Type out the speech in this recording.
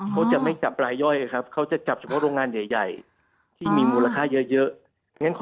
เขาจะไม่จับรายย่อยครับเขาจะจับเฉพาะโรงงานใหญ่ที่มีมูลค่าเยอะ